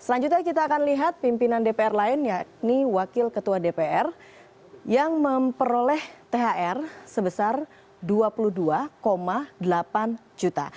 selanjutnya kita akan lihat pimpinan dpr lain yakni wakil ketua dpr yang memperoleh thr sebesar dua puluh dua delapan juta